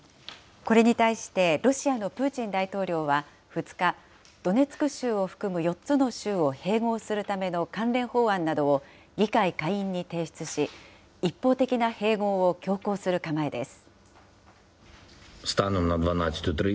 これに対して、ロシアのプーチン大統領は２日、ドネツク州を含む４つの州を併合するための関連法案などを議会下院に提出し、一方的な併合を強行する構えです。